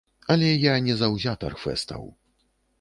Але я не заўзятар фэстаў.